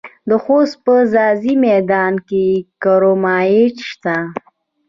د خوست په ځاځي میدان کې کرومایټ شته.